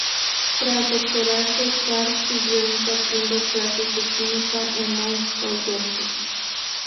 Tras doctorarse, Carr siguió impartiendo clases de química en Mount Holyoke.